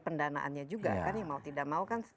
pendanaannya juga kan yang mau tidak mau kan